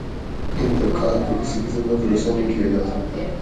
ان طبقات پہ کسی قسم کا بھروسہ نہیں کیا جا سکتا۔